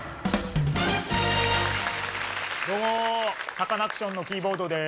サカナクションのキーボードです。